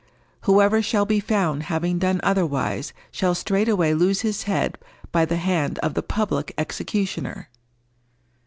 Whoever shall be found having done otherwise shall straightway lose his head by the hand of the public executioner."